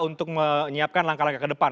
untuk menyiapkan langkah langkah ke depan